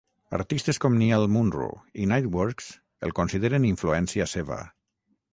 Artistes com Niall Munro i Niteworks el consideren influència seva.